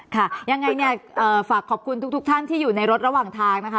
ค่ะยังไงเนี่ยฝากขอบคุณทุกท่านที่อยู่ในรถระหว่างทางนะคะ